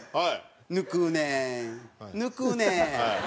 「抜くねん抜くねん」。